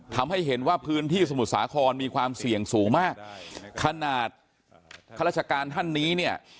ทำให้เห็นว่าพื้นที่สมุทรสาครมีความเสี่ยงสูงมากขนาดข้าราชการท่านนี้เนี่ย